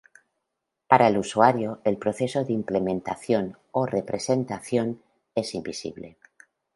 Para el usuario, el proceso de implementación o representación es invisible.